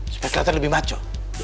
supaya keliatan lebih maco